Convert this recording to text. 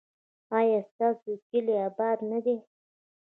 ایا ستاسو کلی اباد نه دی؟